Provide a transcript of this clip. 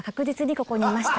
ここにいました